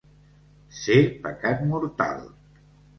Ser pecat mortal.